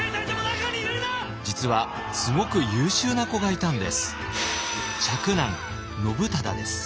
実はすごく優秀な子がいたんです。